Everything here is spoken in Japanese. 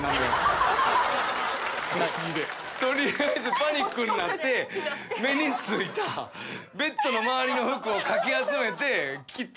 取りあえずパニックになって目に付いたベッドの周りの服をかき集めて着た。